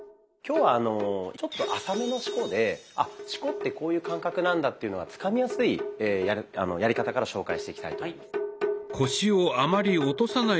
今日はちょっと浅めの四股で「あ四股ってこういう感覚なんだ」っていうのがつかみやすいやり方から紹介していきたいと思います。